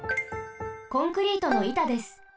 コンクリートのいたです。